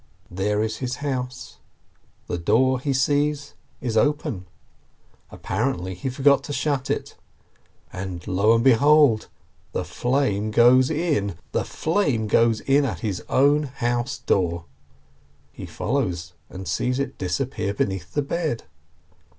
There is his house. The door, he sees, is open. Apparently he forgot to shut it. And, lo and behold! the flame goes in, the flame goes in at his own house door ! He follows, and sees it disappear beneath the bed.